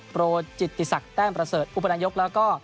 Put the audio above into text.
โปรจิตติศักดิ์แต้มประเสริฐอุปนายกแล้วก็